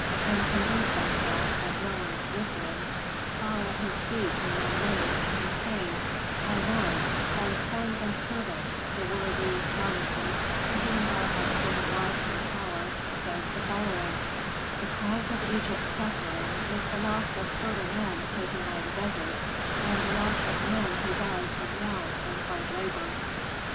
and convince thyself that no one is listening, fall at his feet in my name, and say, "'Our lord, thy son and servant, the worthy Rameses, to whom thou hast given life and power, says the following, "'The cause of Egypt's suffering is the loss of fertile lands taken by the desert, and the loss of men who die from want and hard labor.